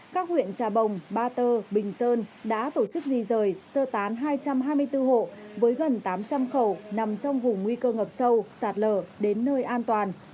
các huyện trà bồng ba tơ bình sơn đã tổ chức di rời sơ tán hai trăm hai mươi bốn hộ với gần tám trăm linh khẩu nằm trong vùng nguy cơ ngập sâu sạt lở đến nơi an toàn